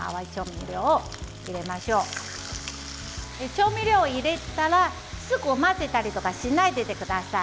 調味料を入れたらすぐ混ぜたりしないでください。